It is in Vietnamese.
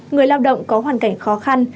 người lao động có hoàn cảnh khó khăn